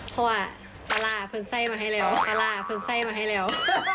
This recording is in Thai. เพราะว่าปลาร่าเพิ่มไส้มาให้แล้ว